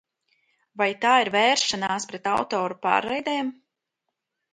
Vai tā ir vēršanās pret autoru pārraidēm?